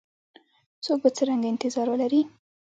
څوک به څرنګه انتظار ولري؟